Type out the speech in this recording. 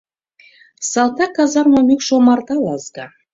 Салтак казарма мӱкш омартала ызга.